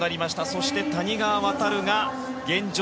そして谷川航が現状